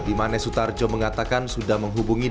bimanes sutarjo mengatakan sudah menghubungi